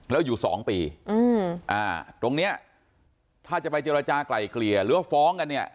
แล้วอยู่สองปีอืมอ่าตรงเนี้ยถ้าจะไปเจรจากลายเกลี่ยหรือว่าฟ้องกันเนี่ย